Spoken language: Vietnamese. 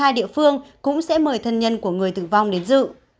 hai địa phương cũng sẽ mời thân nhân của người tử vong đến dự